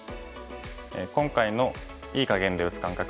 今回の“いい”かげんで打つ感覚